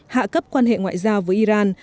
hạ cấp quan hệ ngoại giao với iran